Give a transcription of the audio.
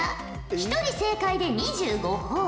１人正解で２５ほぉ。